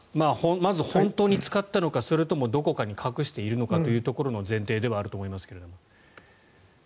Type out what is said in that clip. まず本当に使ったのかそれともどこかに隠しているのかというところの前提ではあると思いますが。